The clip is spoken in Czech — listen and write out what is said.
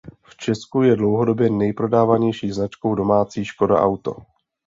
V Česku je dlouhodobě nejprodávanější značkou domácí Škoda Auto.